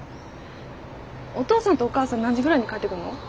お父さんとお母さん何時ぐらいに帰ってくるの？